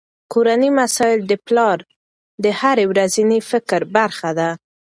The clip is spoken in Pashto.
کورني مسایل د پلار د هره ورځني فکر برخه ده.